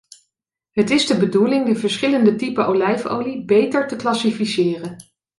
Het is de bedoeling de verschillende typen olijfolie beter te classificeren.